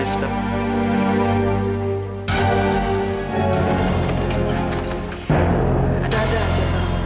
ada ada aja tolong